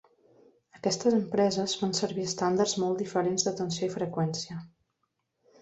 Aquestes empreses fan servir estàndards molt diferents de tensió i freqüència.